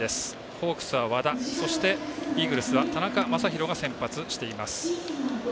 ホークスは和田そして、イーグルスは田中将大が先発しています。